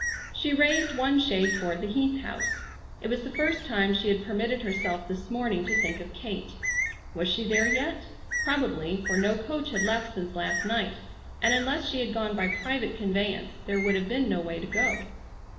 She raised one shade toward the Heath house. It was the first time she had permitted herself this morning to think of Kate. Was she there yet? Probably, for no coach had left since last night, and unless she had gone by private conveyance there would have been no way to go.